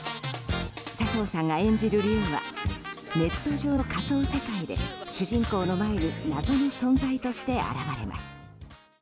佐藤さんが演じる竜はネット上の仮想世界で主人公の前に謎の存在として現れます。